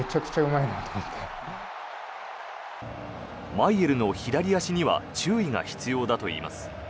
マイェルの左足には注意が必要だといいます。